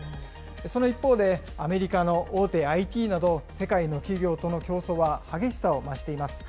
その一方で、アメリカの大手ＩＴなど、世界の企業との競争は激しさを増しています。